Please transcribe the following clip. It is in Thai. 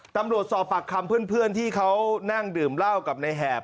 ตำรวจสอบปากคำเพื่อนที่เขานั่งดื่มเหล้ากับในแหบ